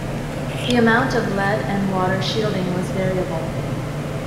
The amount of lead and water shielding was variable.